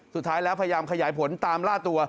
สุดท้ายแล้วพยายามขยายผลตามล่าตัว